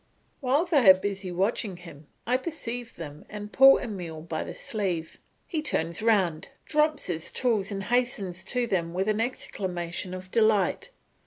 While they are busy watching him, I perceive them and pull Emile by the sleeve; he turns round, drops his tools, and hastens to them with an exclamation of delight.